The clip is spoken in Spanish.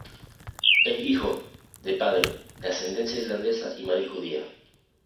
Es hijo de padre de ascendencia irlandesa y madre judía.